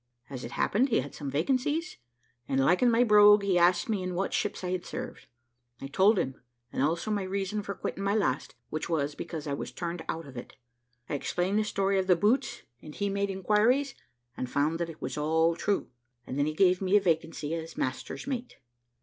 As it happened, he had some vacancies, and liking my brogue, he asked me in what ships I had served. I told him, and also my reason for quitting my last which was, because I was turned out of it. I explained the story of the boots, and he made inquiries, and found that it was all true: and then he gave me a vacancy as master's mate.